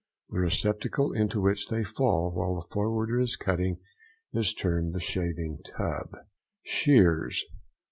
The receptacle into which they fall while the forwarder is cutting is termed the shaving tub. SHEARS.